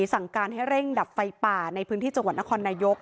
สั่งการให้เร่งดับไฟป่าในพื้นที่จังหวัดนครนายก